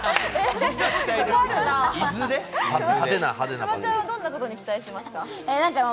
フワちゃんはどんなことに期待しますか？